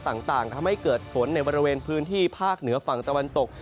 ต่างทำให้เกิดฝนในบริเวณพื้นที่ภาคเหนือฝั่งตะวันตก